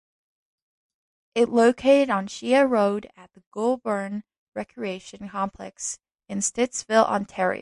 It located on Shea Road at the Goulbourn Recreation Complex in Stittsville, Ontario.